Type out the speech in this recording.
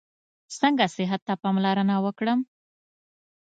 څنګه صحت ته پاملرنه وکړم؟